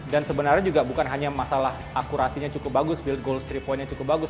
dan sebenarnya juga bukan hanya masalah akurasinya cukup bagus field goal tiga poinnya cukup bagus